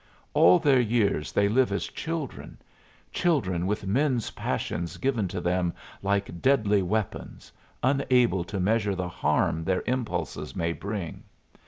All their years they live as children children with men's passions given to them like deadly weapons, unable to measure the harm their impulses may bring.